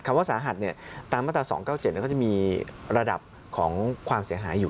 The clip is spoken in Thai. คำว่าสาหัสเนี่ยตามประตา๒๒๗นิวเมื่อก็จะมีระดับของความเสียหายอยู่